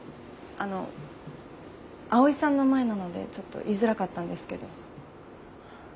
あの碧さんの前なのでちょっと言いづらかったんですけど。